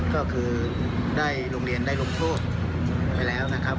ก็คือได้โรงเรียนได้ลงโทษไปแล้วนะครับ